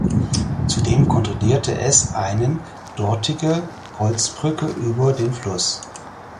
Zudem kontrollierte es einen dortige Holzbrücke über den Fluss.